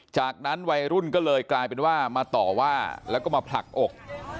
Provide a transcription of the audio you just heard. จากนั้นวัยรุ่นก็เลยกลายเป็นว่ามาต่อว่าแล้วก็มาผลักอก